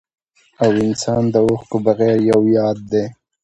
او انسان د اوښکو بغير يو ياد دی